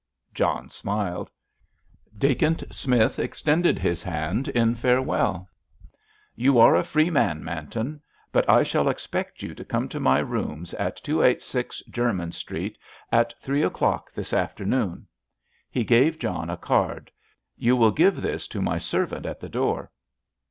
John smiled. Dacent Smith extended his hand in farewell. "You are a free man, Manton. But I shall expect you to come to my rooms at 286, Jermyn Street at three o'clock this afternoon." He gave John a card. "You will give this to my servant at the door."